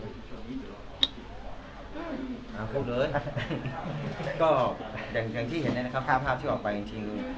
พูดเลยก็อย่างที่เห็นเนี่ยนะครับภาพที่ออกไปจริง